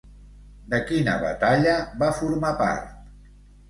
De quina batalla va formar part?